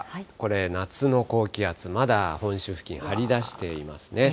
夏の高気圧、まだ本州付近、張り出していますね。